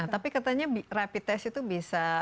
tapi katanya rapid test itu bisa